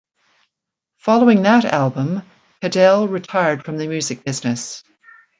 Following that album, Cadell retired from the music business.